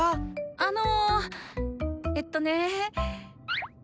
あのえっとね。